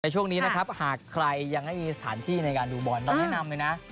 ช่วงนี้นะครับหากใครยังไม่มีสถานที่ในการดูบอลเราแนะนำเลยนะ